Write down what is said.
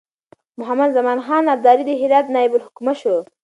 محمدزمان خان ابدالي د هرات نایب الحکومه شو.